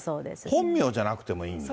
本名じゃなくてもいいんだ。